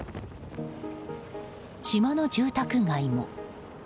島の住宅街も。